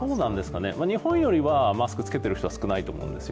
日本よりはマスク着けている人は少ないと思うんですよ。